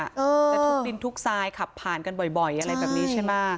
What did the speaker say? จะทุกดินทุกทรายขับผ่านกันบ่อยอะไรแบบนี้ใช่ไหม